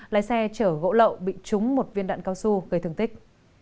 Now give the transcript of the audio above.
lái xe chở gỗ lậu bị trúng một viên đạn cao su gây thương tích